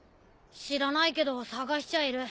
知らないけど捜しちゃいる。